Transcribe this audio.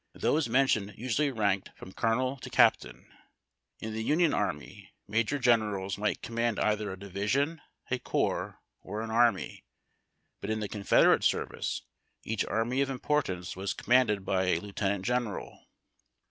Those mentioned usually ranked from colonel to captain. In the Union army, major generals might command either a division, a corps, or an army, but in the Confederate service each army of importance was com manded by a lieutenant general.